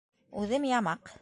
Үҙем ямаҡ.